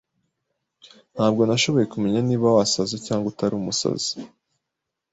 Ntabwo nashoboye kumenya niba wasaze cyangwa utari umusazi.